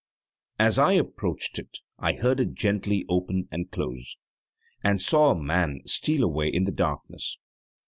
As I approached it, I heard it gently open and close, and saw a man steal away into the darkness.